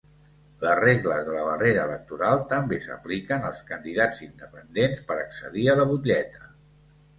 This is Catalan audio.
Les regles de la barrera electoral també s'apliquen als candidats independents per accedir a la butlleta.